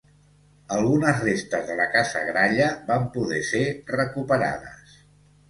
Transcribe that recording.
Algunes restes de la casa Gralla van poder ser recuperades.